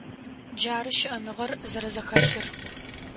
Джары щыӏэныгъэр зэрэзэхэлъыр.